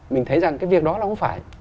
mình thấy rằng cái việc đó là không phải